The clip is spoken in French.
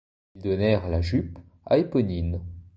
Ils donnèrent la jupe à Éponine.